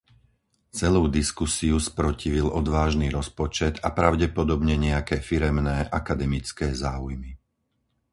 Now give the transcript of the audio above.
Celú diskusiu sprotivil odvážny rozpočet a pravdepodobne nejaké firemné akademické záujmy.